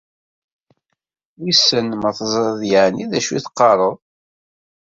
Wissen ma teẓriḍ yeεni d acu i d-teqqareḍ?